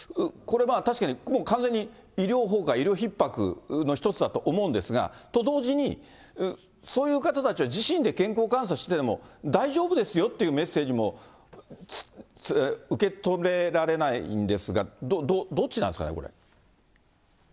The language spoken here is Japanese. これ、確かに完全に医療崩壊、医療ひっ迫の一つだと思うんですが、と同時に、そういう方たちは、自身で健康観察してても大丈夫ですよっていうメッセージにも受け止められないんですが、どっちなんですかね、これ。